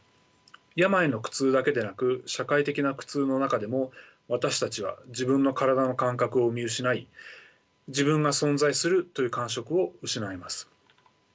病の苦痛だけでなく社会的な苦痛の中でも私たちは自分の体の感覚を見失い自分が存在するという感触を失います。